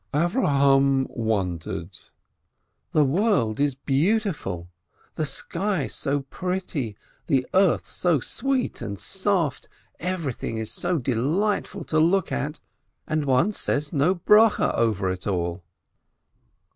Avrohom wondered, "The world is beautiful, the sky so pretty, the earth so sweet and soft, everything is so delightful to look at, and one says no blessing over it all!"